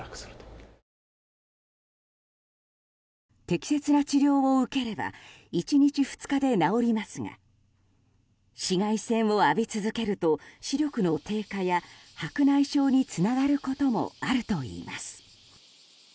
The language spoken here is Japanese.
適切な治療を受ければ１日、２日で治りますが紫外線を浴び続けると視力の低下や白内障につながることもあるといいます。